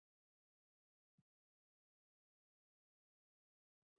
دا سیمه اوسني اسرایل او فلسطین په ځان کې رانغاړي.